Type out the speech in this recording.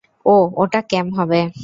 ও-ওটা ক্যাম হবে।